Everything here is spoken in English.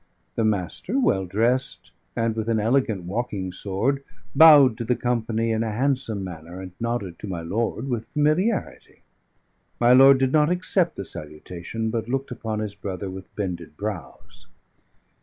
The Master, well dressed, and with an elegant walking sword, bowed to the company in a handsome manner and nodded to my lord with familiarity. My lord did not accept the salutation, but looked upon his brother with bended brows.